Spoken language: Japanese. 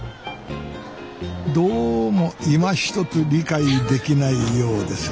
どうもいまひとつ理解できないようですな。